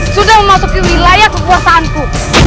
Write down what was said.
sudah memasuki wilayah kekuasaanku